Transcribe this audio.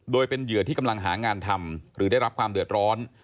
โดยเป็นเหยื่อที่กำลังหางานทำหรือได้รับความเดือดร้อน